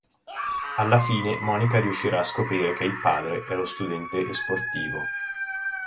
Alla fine Monica riuscirà a scoprire che il padre è lo studente e sportivo.